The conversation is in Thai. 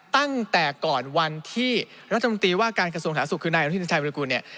ตั้งแต่ก่อนวันที่รัฐมนตรีว่าการกระทรวงสหสุขคือท่านอนุญาตชีนชายบริกูลเนี่ย